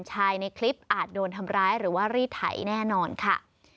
ในคลิปอาจโดนทำร้ายหรือว่ารีดไถแน่นอนค่ะ